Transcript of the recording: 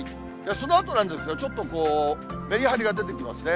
そのあとなんですが、ちょっとメリハリが出てきますね。